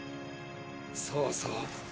そうそう。